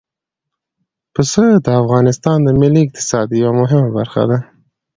پسه د افغانستان د ملي اقتصاد یوه مهمه برخه ده.